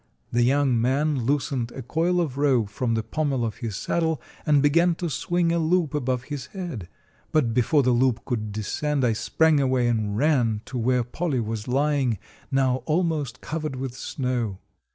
The young man loosened a coil of rope from the pommel of his saddle and began to swing a loop above his head; but before the loop could descend I sprang away and ran to where Polly was lying, now almost covered with snow.